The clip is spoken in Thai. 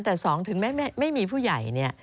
แต่๒ถึงไม่มีผู้ใหญ่เนี่ย